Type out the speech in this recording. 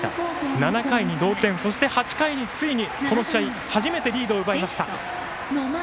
７回に同点、そして８回についに、この試合初めてリードを奪いました。